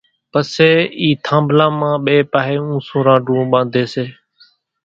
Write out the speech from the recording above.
پسي اِي ٿانڀلان مان ٻئي پاۿي اُونسون رانڍوئون ٻانڌي سي